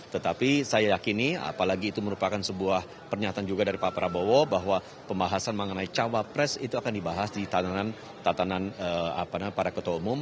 tetapi saya yakini apalagi itu merupakan sebuah pernyataan juga dari pak prabowo bahwa pembahasan mengenai cawapres itu akan dibahas di tatanan para ketua umum